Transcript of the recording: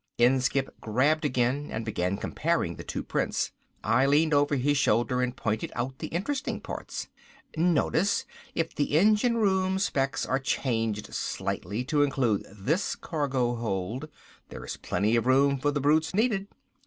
Inskipp grabbed again and began comparing the two prints. I leaned over his shoulder and pointed out the interesting parts. "Notice if the engine room specs are changed slightly to include this cargo hold, there is plenty of room for the brutes needed.